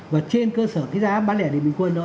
và trên cơ sở cái giá bán lẻ điện bình quân đó